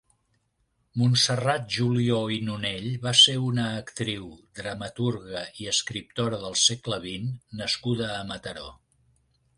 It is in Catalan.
Montserrat Julió i Nonell va ser una actriu, dramaturga i escriptora del segle vint nascuda a Mataró.